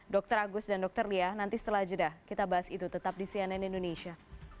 dr agus dan dr lia nanti setelah jeda kita bahas itu tetap di cnn indonesia